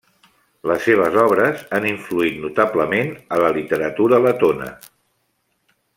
Les seves obres han influït notablement a la literatura letona.